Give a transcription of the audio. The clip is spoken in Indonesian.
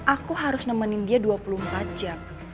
aku harus nemenin dia dua puluh empat jam